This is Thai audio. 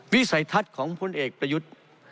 วิสัยทัศน์ของพลเอกประยุทธ์